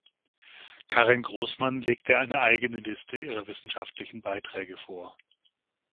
Karin Grossmann legte eine eigene Liste ihrer wissenschaftlichen Beiträge vor.